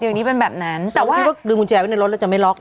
ผมก็พิกัดวิ่งวิ่งคุณแจในรถแล้วจะไม่ล็อก